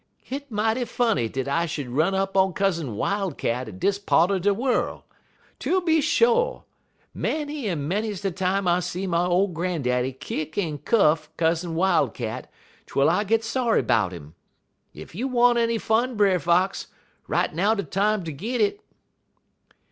Hit mighty funny dat I should run up on Cousin Wildcat in dis part er de worl'. Tooby sho', tooby sho'! Many en manys de time I see my ole Grandaddy kick en cuff Cousin Wildcat, twel I git sorry 'bout 'im. Ef you want any fun, Brer Fox, right now de time ter git it.'